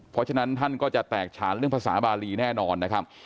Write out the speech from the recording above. เพราะฉะนั้นท่านก็จะแตกฉานเรื่องภาษาบาลีแน่นอนนะครับ